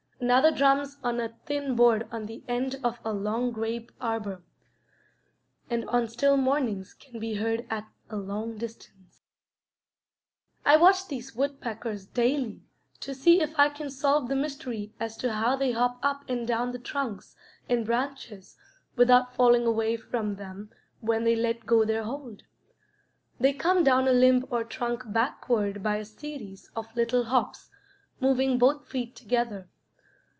Another drums on a thin board on the end of a long grape arbor, and on still mornings can be heard a long distance. I watch these woodpeckers daily to see if I can solve the mystery as to how they hop up and down the trunks and branches without falling away from them when they let go their hold. They come down a limb or trunk backward by a series of little hops, moving both feet together.